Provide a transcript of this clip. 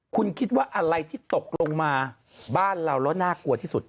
คุณคิดว่าอะไรที่ตกลงมาบ้านเราแล้วน่ากลัวที่สุด